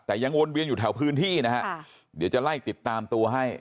แต่ยังวนเวียนอยู่แถวพื้นที่นะฮะเดี๋ยวจะไล่ติดตามตัวให้